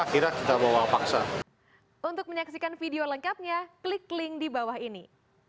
akhirnya kita bawa paksa untuk menyaksikan video lengkapnya klik link di bawah ini